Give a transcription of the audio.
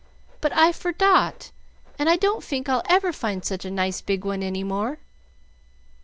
But I fordot, and I don't fink I'll ever find such a nice big one any more."